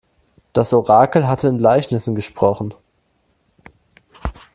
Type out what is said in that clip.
Das Orakel hatte in Gleichnissen gesprochen.